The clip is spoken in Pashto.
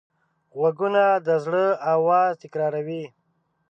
غوږونه د زړه آواز تکراروي